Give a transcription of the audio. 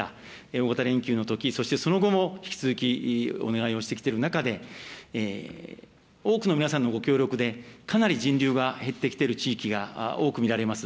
大型連休のとき、そしてその後も引き続き、お願いをしてきてる中で、多くの皆さんのご協力で、かなり人流が減ってきている地域が多く見られます。